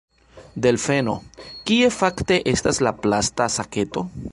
Delfeno: "Kie fakte estas la plasta saketo?"